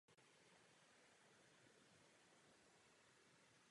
V týmu během svého angažmá působil převážně v rezervě nebo hostoval v jiných týmech.